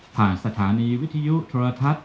ผ่านสถานีวิทยุทรทัศน์